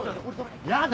やだ。